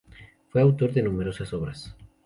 Fue autor de numerosas obras.